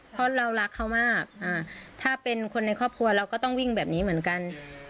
เพราะเรารักเขามากถ้าเป็นคนในครอบครัวเราก็ต้องวิ่งแบบนี้เหมือนกัน